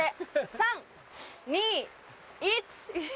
３・２・１！